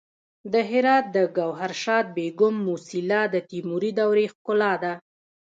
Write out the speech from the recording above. د هرات د ګوهرشاد بیګم موسیلا د تیموري دورې ښکلا ده